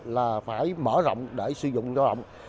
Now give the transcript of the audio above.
là phải mở rộng để sử dụng lao động